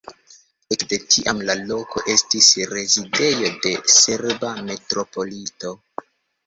Ekde tiam la loko estis rezidejo de serba metropolito.